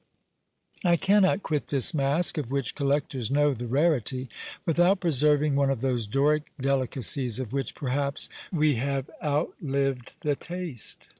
I cannot quit this Masque, of which, collectors know the rarity, without preserving one of those Doric delicacies, of which, perhaps, we have outlived the taste!